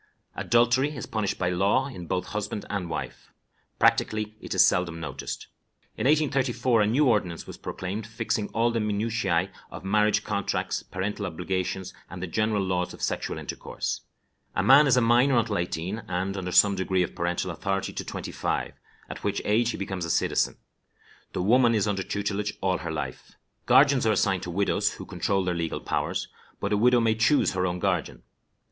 Adultery is punished by law in both husband and wife. Practically it is seldom noticed. In 1834 a new ordinance was proclaimed fixing all the minutiæ of marriage contracts, parental obligations, and the general laws of sexual intercourse. A man is a minor until eighteen, and under some degree of parental authority to twenty five, at which age he becomes a citizen. The woman is under tutelage all her life. Guardians are assigned to widows, who control their legal powers, but a widow may choose her own guardian.